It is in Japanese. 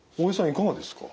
いかがですか？